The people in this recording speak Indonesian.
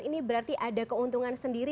ini berarti ada keuntungan sendiri